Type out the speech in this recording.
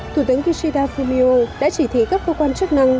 thủ tướng kishida fumio đã chỉ thị các cơ quan chức năng